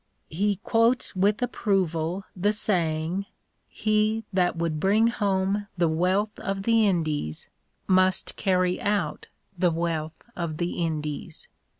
He quotes with approval the saying :" He that would bring home the wealth of the Indies must carry out the wealth of the Indies."